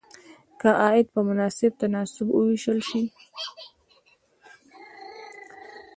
که عاید په مناسب تناسب وویشل شي.